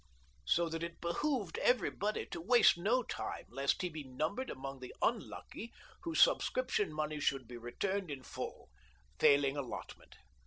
So that it behoved every body to waste no time lest he be numbered among the unlucky whose subscription money should be returned in full, faiUng allotment.